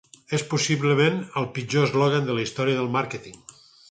És possiblement el pitjor eslògan en la història del màrqueting.